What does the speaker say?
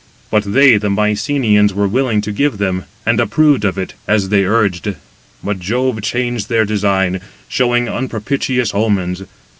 But they [the Mycenæans] were willing to give them, and approved of it, as they urged; but Jove changed [their design], showing unpropitious omens.